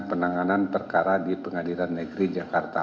tentang hasil pert telesavitasi yang mereka lakukan